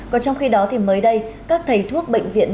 còn trong khi đó thì mới đây các thầy thuốc bệnh viện